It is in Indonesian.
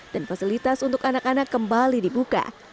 dan fasilitas untuk anak anak kembali dibuka